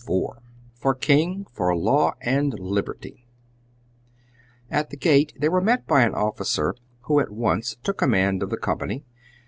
IV "FOR KING, FOR LAW AND LIBERTY" At the gate they were met by an officer, who at once took command of the company.